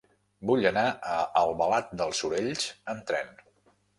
Vull anar a Albalat dels Sorells amb tren.